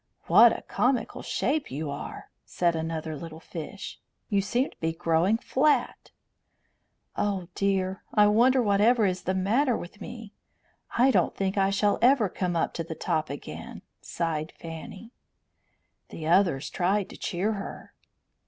"What a comical shape you are!" said another little fish. "You seem to be growing flat." "Oh, dear! I wonder whatever is the matter with me? I don't think I shall ever come up to the top again," sighed Fanny. The others tried to cheer her.